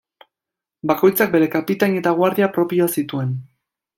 Bakoitzak bere kapitain eta guardia propioa zituen.